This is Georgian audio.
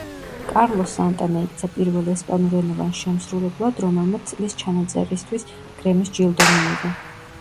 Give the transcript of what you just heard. კარლოს სანტანა იქცა პირველ ესპანურენოვან შემსრულებლად, რომელმაც წლის ჩანაწერისთვის გრემის ჯილდო მიიღო.